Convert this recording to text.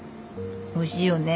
おいしいよね？